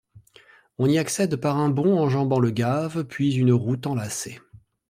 On y accède par un pont enjambant le gave puis une route en lacet.